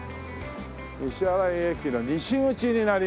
西新井駅の西口になりますね。